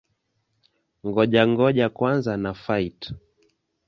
Ngoja-ngoja kwanza na-fight!